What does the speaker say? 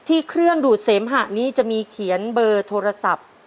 เครื่องดูดเสมหะนี้จะมีเขียนเบอร์โทรศัพท์